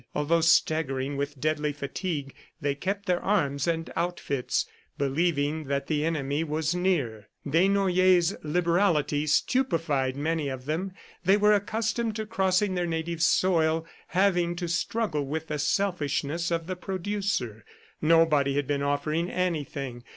Although staggering with deadly fatigue, they kept their arms and outfits, believing that the enemy was near. Desnoyers' liberality stupefied many of them. They were accustomed to crossing their native soil, having to struggle with the selfishness of the producer. Nobody had been offering anything.